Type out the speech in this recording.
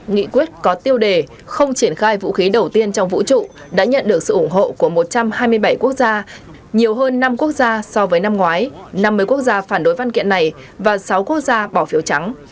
nghị quyết có tiêu đề không triển khai vũ khí đầu tiên trong vũ trụ đã nhận được sự ủng hộ của một trăm hai mươi bảy quốc gia nhiều hơn năm quốc gia so với năm ngoái năm mươi quốc gia phản đối văn kiện này và sáu quốc gia bỏ phiếu trắng